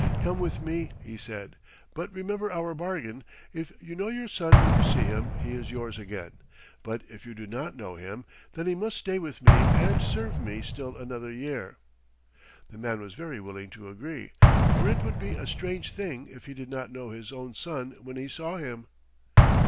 "Come with me," he said, "but remember our bargain. If you know your son when you see him he is yours again, but if you do not know him, then he must stay with me and serve me still another year." The man was very willing to agree, for it would be a strange thing if he did not know his own son when he saw him.